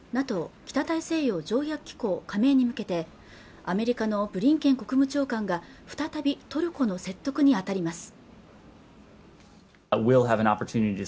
北大西洋条約機構加盟に向けてアメリカのブリンケン国務長官が再びトルコの説得に当たります